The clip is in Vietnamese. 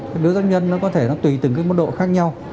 cái biếu giáp nhân nó có thể nó tùy từng cái môn độ khác nhau